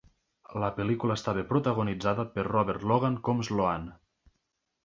La pel·lícula estava protagonitzada per Robert Logan com Sloane.